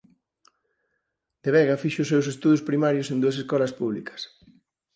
De Vega fixo os seus estudos primarios en dúas escolas públicas.